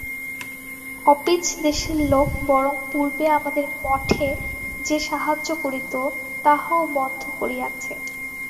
Office দেশের লোক বরং পূর্বে আমাদের মঠে যে সাহায্য করিত, তাহাও বন্ধ করিয়াছে।